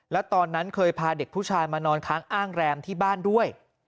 แล้วตอนนั้นเคยพาเด็กผู้ชายมานอนค้างอ้างแรมที่บ้านด้วย